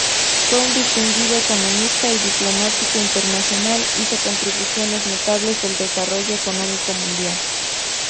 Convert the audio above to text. Fue un distinguido economista y diplomático internacional, hizo contribuciones notables al desarrollo económico mundial.